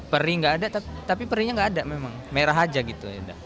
perih gak ada tapi perihnya gak ada memang merah aja gitu